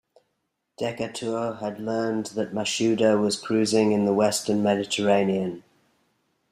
Decatur had learned that Mashuda was cruising in the western Mediterranean.